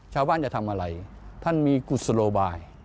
ชาวบ้านจะทำอะไรท่านมีกุศโลบาย